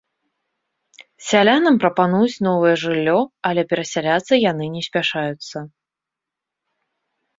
Сялянам прапануюць новае жыллё, але перасяляцца яны не спяшаюцца.